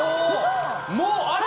もうあれ！？